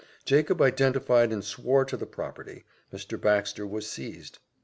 Jacob identified and swore to the property Mr. Baxter was seized.